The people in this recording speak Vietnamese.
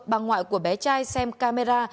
bà ngoại của bé trai xem camera